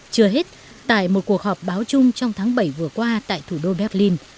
chưa hết tại một cuộc họp báo chung trong tháng bảy vừa qua tại thủ đô berlin